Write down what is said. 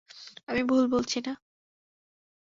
আমি ভুল বলছি না!